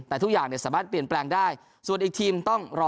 แต่ทุกอย่างเนี่ยสามารถเปลี่ยนแปลงได้ส่วนอีกทีมต้องรอ